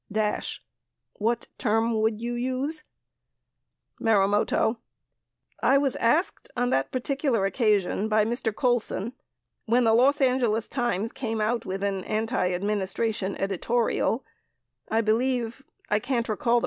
Dash. What term would you use? Marumoto. I was asked, on that particular occasion by Mr. Colson, when the Los Angeles Times came out with an anti administration editorial, I believe — I can't recall the par 67 Exhibit No.